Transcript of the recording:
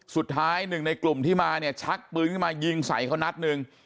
สุดท้ายหนึ่งในกลุ่มที่มาเนี่ยชักปืนขึ้นมายิงใส่เขานัดหนึ่ง